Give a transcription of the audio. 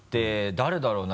誰だろうな？